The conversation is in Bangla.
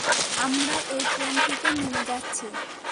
আমরা এই ট্রেন থেকে নেমে যাচ্ছি।